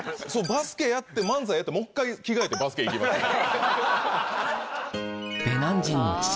バスケやって漫才やってもう１回着替えてバスケ行きますから。